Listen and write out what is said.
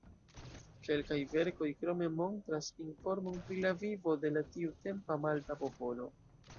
Kelkaj verkoj krome montras informon pri la vivo de la tiutempa malta popolo.